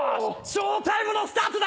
ショータイムのスタートだ！